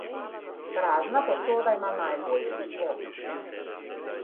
Prazna posoda ima najboljši zvok.